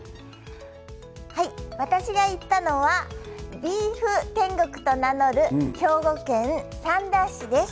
私が行ったのはビーフ天国と名乗る兵庫県三田市です。